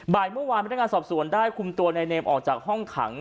เมื่อวานพนักงานสอบสวนได้คุมตัวในเนมออกจากห้องขัง